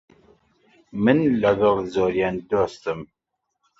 من لەگەڵ زۆریان دۆستم.